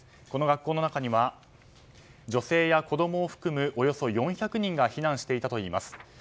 この学校の中には女性や子供を含むおよそ４００人が避難していたといいます。